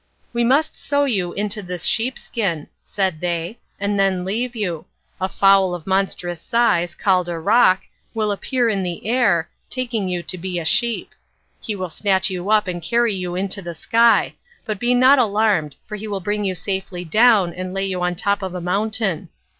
"We must sew you into this sheep skin," said they, "and then leave you. A fowl of monstrous size, called a roc, will appear in the air, taking you to be a sheep. He will snatch you up and carry you into the sky, but be not alarmed, for he will bring you safely down and lay you on the top of a mountain.